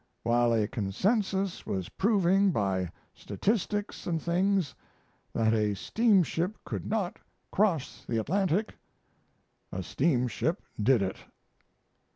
While a Consensus was proving, by statistics and things, that a steamship could not cross the Atlantic, a steamship did it.